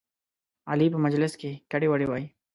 علي په مجلس کې ګډې وډې وایي.